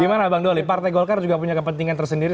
gimana bang doli partai golkar juga punya kepentingan tersendiri